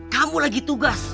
kamu lagi tugas